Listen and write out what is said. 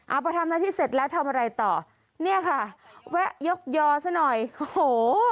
เอาพอทำหน้าที่เสร็จแล้วทำอะไรต่อเนี่ยค่ะแวะยกยอซะหน่อยโอ้โห